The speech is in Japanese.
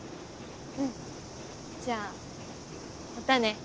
うんじゃあまたね。